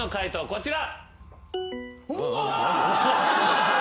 こちら。